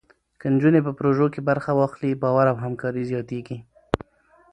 که نجونې په پروژو کې برخه واخلي، باور او همکاري زیاتېږي.